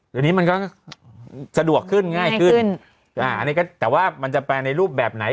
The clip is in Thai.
เดี๋ยวนี้มันก็สะดวกขึ้นง่ายขึ้นอ่าอันนี้ก็แต่ว่ามันจะแปลในรูปแบบไหน